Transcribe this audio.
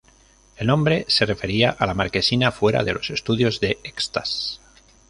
El nombre se refería a la marquesina fuera de los estudios de Stax.